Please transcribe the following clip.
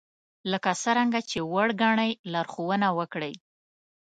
لکه څرنګه چې وړ ګنئ لارښوونه وکړئ